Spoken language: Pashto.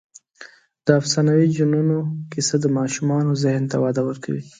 د افسانوي جنونو کیسه د ماشومانو ذهن ته وده ورکوي.